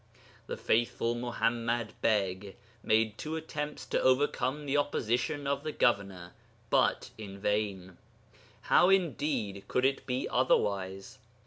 The faithful Muḥammad Beg made two attempts to overcome the opposition of the governor, but in vain; how, indeed, could it be otherwise?